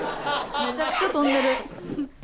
めちゃくちゃ飛んでる。